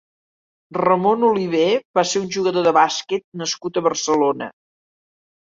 Ramón Oliver va ser un jugador de bàsquet nascut a Barcelona.